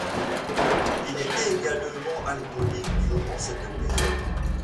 Il était également alcoolique durant cette période.